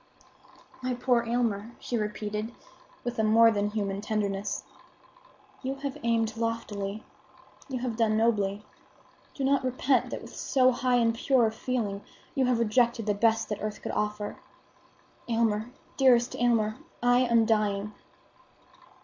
"My poor Aylmer," she repeated, with a more than human tenderness, "you have aimed loftily; you have done nobly. Do not repent that with so high and pure a feeling, you have rejected the best the earth could offer. Aylmer, dearest Aylmer, I am dying!"